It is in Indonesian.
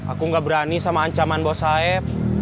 aku gak berani sama ancaman bos saeb